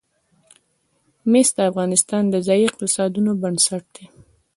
مس د افغانستان د ځایي اقتصادونو بنسټ دی.